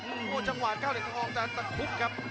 โอ้โหจังหวะก้าวเหลียทองดันตะคุบครับ